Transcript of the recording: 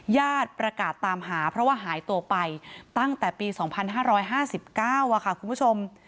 ญาติประกาศตามหาเพราะว่าหายตัวไปตั้งแต่ปี๒๕๕๙ค่ะคุณผู้ชม